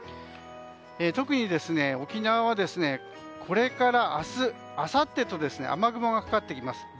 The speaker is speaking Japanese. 特に沖縄はこれから明日、あさってと雨雲がかかってきます。